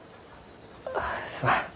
あすまん。